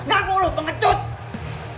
enggak lo pengacut